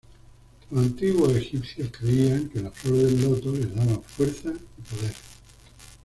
Los antiguos egipcios creían que la flor del loto les daba fuerza y poder.